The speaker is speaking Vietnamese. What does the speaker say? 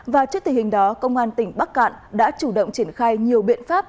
và trước tình hình đó công an tỉnh bắc cạn đã chủ động triển khai nhiều biện pháp